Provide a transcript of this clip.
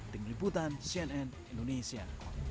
tingin liputan cnn indonesia